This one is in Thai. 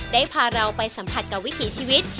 ได้พาเราไปสัมผัสกับวิถีชีวิต